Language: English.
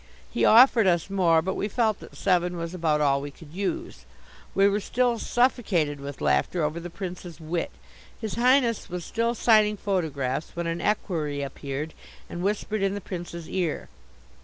He offered us more, but we felt that seven was about all we could use. We were still suffocated with laughter over the Prince's wit; His Highness was still signing photographs when an equerry appeared and whispered in the Prince's ear.